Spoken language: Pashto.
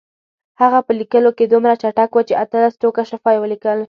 هغه په لیکلو کې دومره چټک و چې اتلس ټوکه شفا یې ولیکل.